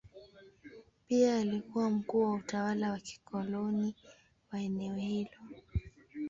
Pia alikuwa mkuu wa utawala wa kikoloni wa eneo hilo.